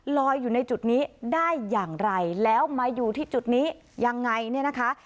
อยู่ในจุดนี้ได้อย่างไรแล้วมาอยู่ที่จุดนี้ยังไงเนี่ยนะคะ